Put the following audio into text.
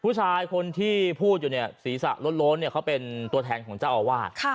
ผู้ชายคนที่พูดอยู่เนี่ยศีรษะโล้นเขาเป็นตัวแทนของเจ้าอาวาส